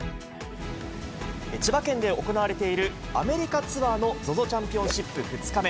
千葉県で行われている、アメリカツアーのＺＯＺＯチャンピオンシップ２日目。